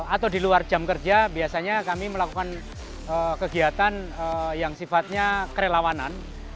atau di luar jam kerja biasanya kami melakukan kegiatan yang sifatnya kerelawanan